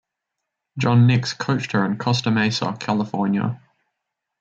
John Nicks coached her in Costa Mesa, California.